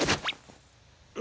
あ。